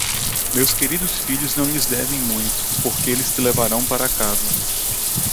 Meus queridos filhos não lhes devem muito, porque eles te levarão para casa.